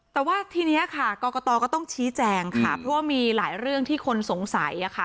แต่ว่าทีนี้ค่ะกรกตก็ต้องชี้แจงค่ะเพราะว่ามีหลายเรื่องที่คนสงสัยค่ะ